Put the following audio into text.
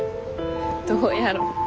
どうやろ。